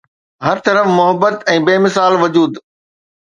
هر طرف محبت ۽ بي مثال وجود